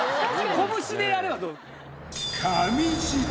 拳でやればどう？